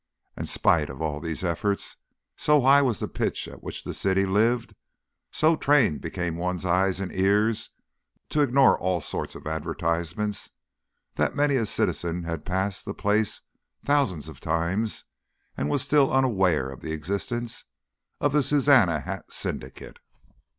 And spite of all these efforts so high was the pitch at which the city lived, so trained became one's eyes and ears to ignore all sorts of advertisement, that many a citizen had passed that place thousands of times and was still unaware of the existence of the Suzannah Hat Syndicate.